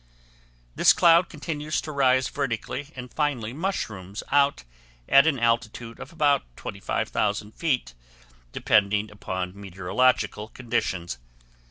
This cloud continues to rise vertically and finally mushrooms out at an altitude of about 25,000 feet depending upon meteorological conditions.